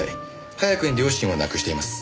早くに両親を亡くしています。